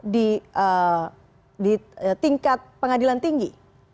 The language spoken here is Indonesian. di tingkat pengadilan tinggi